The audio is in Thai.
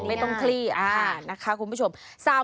อันนี้ง่ายนี่อ่ะ